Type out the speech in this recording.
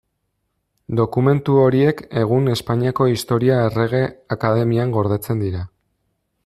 Dokumentu horiek egun Espainiako Historia Errege Akademian gordetzen dira.